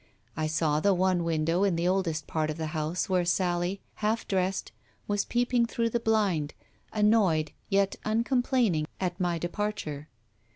I saw the one window in the oldest part of the house where Sally, half dressed, was peeping through the blind, annoyed, yet uncomplaining at my departure.